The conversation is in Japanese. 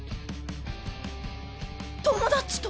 友達と。